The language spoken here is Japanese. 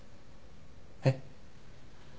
えっ？